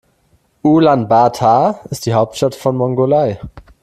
Ulaanbaatar ist die Hauptstadt von Mongolei.